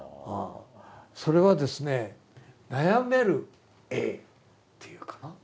それはですね悩めるＡっていうかな。